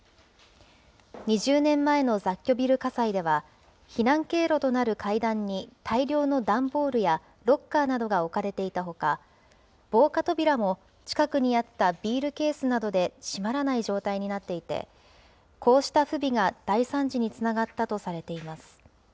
２０年前の雑居ビル火災では避難経路となる階段に大量の段ボールやロッカーなどが置かれていたほか、防火扉も近くにあったビールケースなどで閉まらない状態になっていて、こうした不備が大惨事につながったとされています。